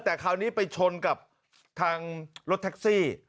แต่คราวนี้ไปชนกับทางรถแท็กซี่